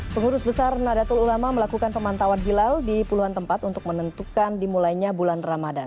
pengurus besar nadatul ulama melakukan pemantauan hilal di puluhan tempat untuk menentukan dimulainya bulan ramadan